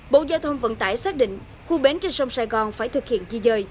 bộ giao thông vận tải xác định khu bến trên sông sài gòn phải thực hiện di dời